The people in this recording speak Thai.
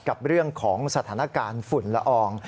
กับเรื่องของสถานการณ์ฝุ่นละออง